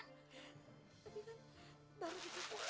tapi kan baru dikumpulan